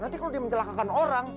nanti kalau dia mencelakakan orang